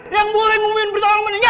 yang boleh ngumumin berita orang meninggal